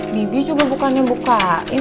bibi juga bukannya bukain